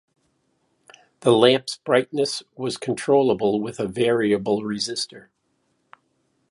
The lamps' brightness was controllable with a variable resistor.